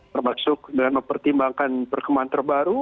termasuk dengan mempertimbangkan perkembangan terbaru